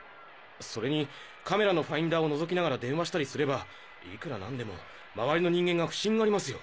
それにカメラのファインダーを覗きながら電話したりすればいくらなんでも周りの人間が不審がりますよ。